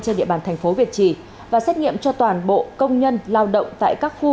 trên địa bàn thành phố việt trì và xét nghiệm cho toàn bộ công nhân lao động tại các khu